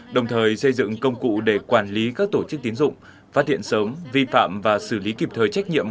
đồng thời xây dựng công cụ để quản lý các tổ chức tín dụng phát hiện sớm vi phạm và xử lý kịp thời trách nhiệm